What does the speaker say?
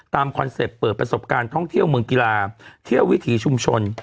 คอนเซ็ปต์เปิดประสบการณ์ท่องเที่ยวเมืองกีฬาเที่ยววิถีชุมชน